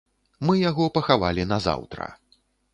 Мы яго пахавалі назаўтра.